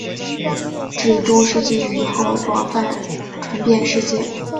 至中世纪以后广泛传遍世界。